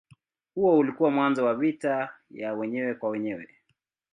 Huo ulikuwa mwanzo wa vita ya wenyewe kwa wenyewe.